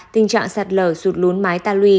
tình trạng sạt lờ sụt lún mái ta lùi